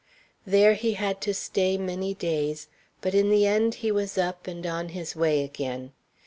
There he had to stay many days; but in the end he was up and on his way again.